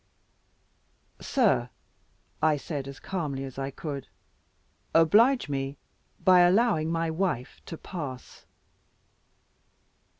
"Sir," I said, as calmly as I could, "oblige me by allowing my wife to pass."